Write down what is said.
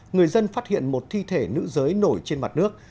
người dân phát hiện một thi thể nữ giới nổi trên mặt nước